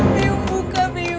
biuh buka biuh